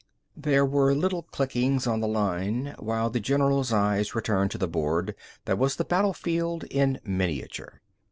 There were little clickings on the line, while the general's eyes returned to the board that was the battlefield in miniature.